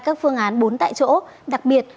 các phương án bốn tại chỗ đặc biệt